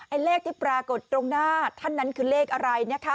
เลขที่ปรากฏตรงหน้าท่านนั้นคือเลขอะไรนะคะ